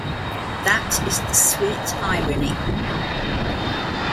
That is the sweet irony.